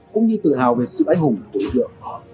cũng như tự hào về sự ánh hùng của tư tưởng